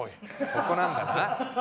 ここなんだな？